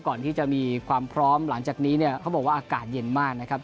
ก่อนที่จะมีความพร้อมหลังจากนี้เนี่ยเขาบอกว่าอากาศเย็นมากนะครับ